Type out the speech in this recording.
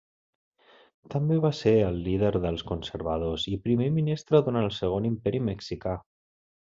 També va ser el líder dels conservadors i Primer Ministre durant el Segon Imperi Mexicà.